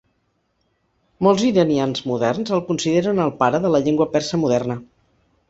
Molts iranians moderns el consideren el pare de la llengua persa moderna.